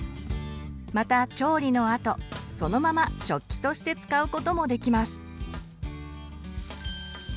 また調理の後そのまま食器として使うこともできます。